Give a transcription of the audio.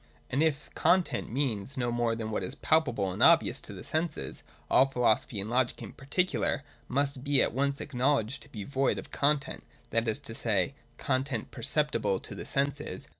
And if content means no more than what is palpable and obvious to the senses, all philosophy and logic in particular must be at once acknow ledged to be void of content, that is to say, of content per ceptible to the senses.